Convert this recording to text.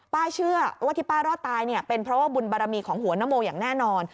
เชื่อว่าที่ป้ารอดตายเนี่ยเป็นเพราะว่าบุญบารมีของหัวนโมอย่างแน่นอน